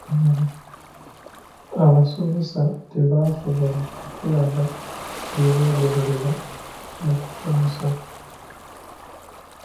Abasomesa tebaasobola kutulaga bye bagoberera mu kusomesa.